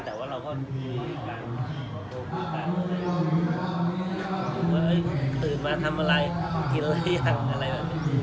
แต่ว่าเราก็มีการว่าตื่นมาทำอะไรกินอะไรยังอะไรแบบนี้